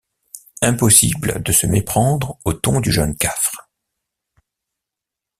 Impossible de se méprendre au ton du jeune Cafre!